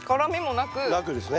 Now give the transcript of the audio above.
なくですね。